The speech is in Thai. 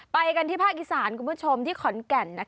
ไปกันที่ภาคอีสานคุณผู้ชมที่ขอนแก่น